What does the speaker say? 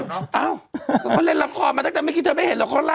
เขาเล่นรับความมาตั้งแต่เมื่อกี้เธอไม่เห็นหรอก